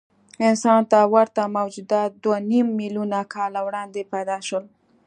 انسان ته ورته موجودات دوهنیم میلیونه کاله وړاندې پیدا شول.